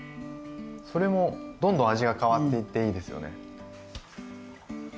それもどんどん味が変わっていっていいですよね。